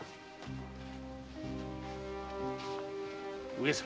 上様。